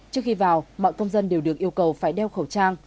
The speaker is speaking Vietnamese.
trước khi vào mọi công dân đều được yêu cầu phải đeo khẩu trang